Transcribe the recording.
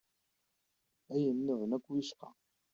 Ayen-nniḍen akk wicqa!